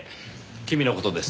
君の事です